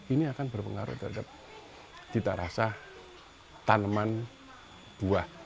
ini akan berpengaruh terhadap cita rasa tanaman buah